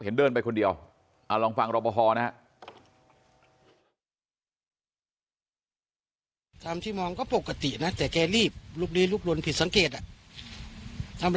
เห็นเดินไปคนเดียวลองฟังรบภนะครับ